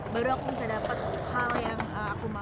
baru aku bisa dapat hal yang aku mau